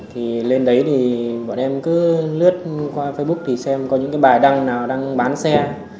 thì lên đấy thì bọn em cứ lướt qua facebook xem có những bài đăng nào bán xe